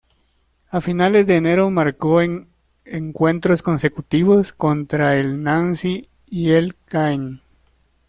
A finales de enero, marcó en encuentros consecutivos contra el Nancy y el Caen.